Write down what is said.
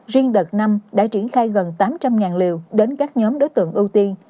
riêng đợt năm đã triển khai gần tám trăm linh liều đến các nhóm đối tượng ưu tiên